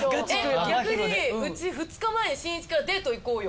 逆にうち２日前しんいちから「デート行こうよ」